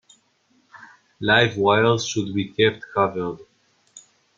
Live wires should be kept covered.